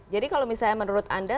jadi kalau misalnya menurut anda